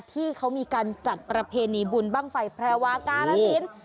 ที่เขามีการจัดประเพณีบุญบ้างไฟแพรวากาลสิน